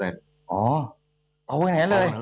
อ๋อโตอย่างนั้นเลย